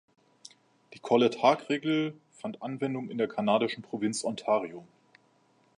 Die Corlett-Hague-Regel fand Anwendung in der kanadischen Provinz Ontario.